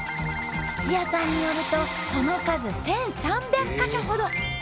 土谷さんによるとその数１，３００か所ほど。